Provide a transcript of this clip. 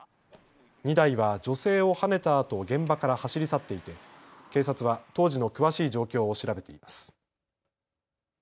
２台は女性をはねたあと現場から走り去っていて警察は当時の詳しい状況を調べています。